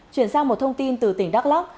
chuyển sang một thông tin từ tỉnh đắk lắc